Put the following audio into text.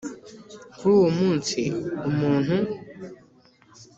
Kuri uwo munsi umuntu